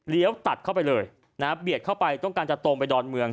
ตัดเข้าไปเลยนะฮะเบียดเข้าไปต้องการจะตรงไปดอนเมือง